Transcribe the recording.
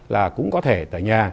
là cũng có thể ở nhà